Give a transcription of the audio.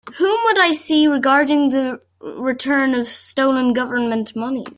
Whom would I see regarding the return of stolen Government money?